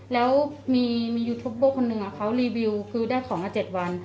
แล้วมียูทูปเบอร์คนหนึ่งเขารีวิวคือได้ของมา๗วัน